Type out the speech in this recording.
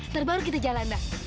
ntar baru kita jalan bang